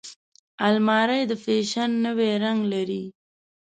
الماري د فیشن نوی رنګ لري